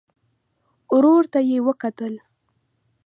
ورور ته يې وکتل.